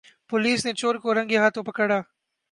police نے چور کو رنگے ہاتھوں پکڑا